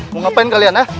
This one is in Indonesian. gua ngapain kalian ya